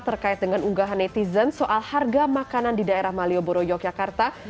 terkait dengan unggahan netizen soal harga makanan di daerah malioboro yogyakarta